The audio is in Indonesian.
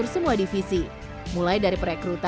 yeti sejak zaman ini kita akan berhentinya juga